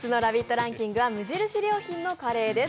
ランキングは無印良品のカレーです。